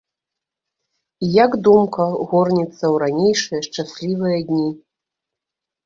І як думка горнецца ў ранейшыя шчаслівыя дні.